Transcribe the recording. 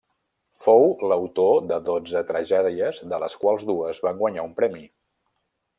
Fou l'autor de dotze tragèdies de les quals dues van guanyar un premi.